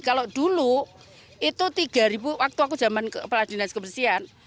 kalau dulu itu tiga ribu waktu aku zaman kepala dinas kebersihan